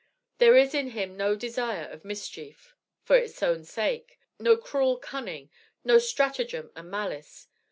There is in him no desire of mischief for its own sake, no cruel cunning, no stratagem and malice.